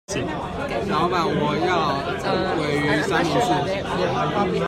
老闆我要鮪魚三明治